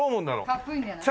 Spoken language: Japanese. かっこいいんじゃない？